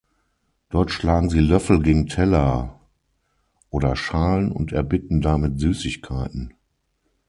Dort schlagen sie Löffel gegen Teller oder Schalen und erbitten damit Süßigkeiten.